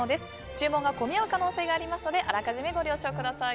注文が込み合う可能性がありますのであらかじめご了承ください。